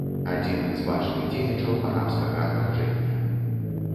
Адзін з бачных дзеячаў арабскага адраджэння.